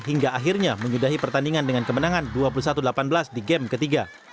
hingga akhirnya menyudahi pertandingan dengan kemenangan dua puluh satu delapan belas di game ketiga